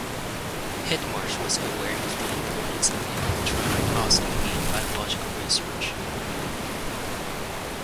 Hindmarsh was aware of the importance of electron microscopy in biological research.